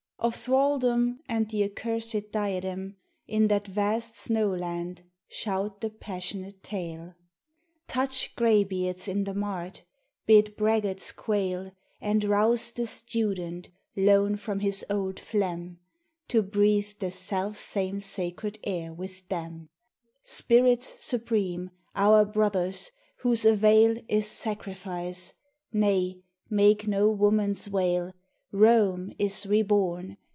OF thraldom and the accursèd diadem In that vast snow land, shout the passionate tale; Touch graybeards in the mart, bid braggarts quail, And rouse the student lone from his old phlegm To breathe the self same sacred air with them, Spirits supreme, our brothers! whose avail Is sacrifice. Nay, make no woman's wail: Rome is re born!